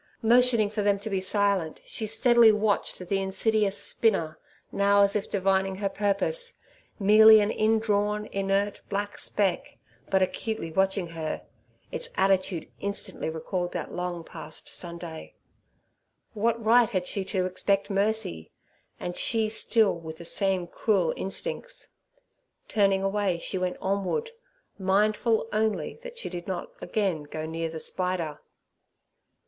Motioning for them to be silent, she steadily watched the insidious spinner, now as if divining her purpose, merely an indrawn inert black speck but acutely watching her. Its attitude instantly recalled that long past Sunday. What right had she to expect mercy, and she still with the same cruel instincts? Turning away, she went onward, mindful only that she did not again go near the spider.